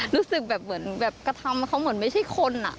รู้สึกแบบกระทำเขาเหมือนไม่ใช่คนอ่ะ